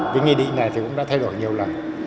cái nghị định này thì cũng đã thay đổi nhiều lần